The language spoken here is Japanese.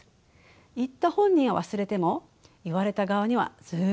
言った本人は忘れても言われた側にはずっと残ります。